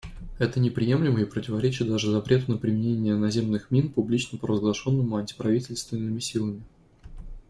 Это неприемлемо и противоречит даже запрету на применение наземных мин, публично провозглашенному антиправительственными силами.